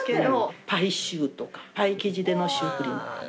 パイ生地のシュークリーム。